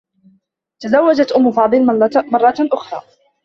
تزوّجت أمّ فاضل مرّة أخرى.